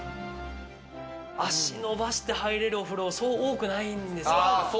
足伸ばして入れるお風呂、そう多くはないんですよ。